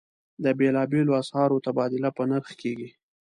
د بېلابېلو اسعارو تبادله په نرخ کېږي.